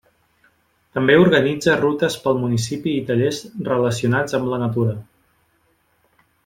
També organitza rutes pel municipi i tallers relacionats amb la natura.